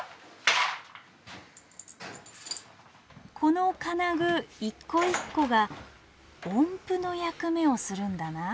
この金具一個一個が音符の役目をするんだな。